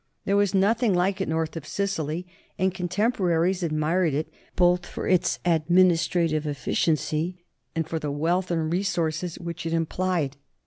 There was nothing like it north of Sicily, and contemporaries admired it both for its administrative efficiency and for the wealth and resources which it implied.